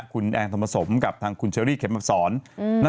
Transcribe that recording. คุณแอนทอมกระสมกับทางคุณเชอรี่เข็มแบบสอน